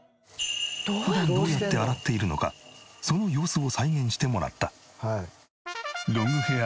普段どうやって洗っているのかその様子を再現してもらった。